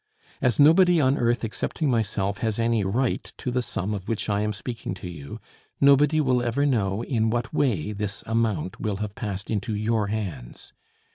As nobody on earth excepting myself has any right to the sum of which I am speaking to you, nobody will ever know in what way this amount will have passed into your hands.